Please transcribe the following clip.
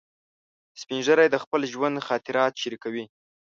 سپین ږیری د خپل ژوند خاطرات شریکوي